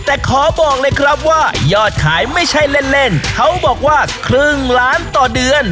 แต่ขอบอกเลยครับว่ายอดขายไม่ใช่เล่นเล่นเขาบอกว่าครึ่งล้านต่อเดือน